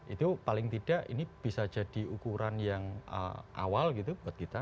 itu paling tidak ini bisa jadi ukuran yang awal gitu buat kita